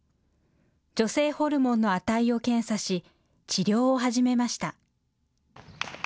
女性ホルモンの値を検査し治療を始めました。